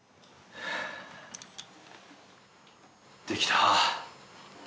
できた。